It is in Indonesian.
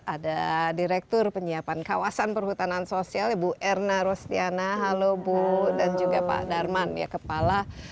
ada direktur penyiapan kawasan perhutanan sosial ibu erna rostiana halo bu dan juga pak darman ya kepala